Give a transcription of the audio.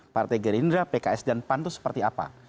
partai gerindra pks dan pan itu seperti apa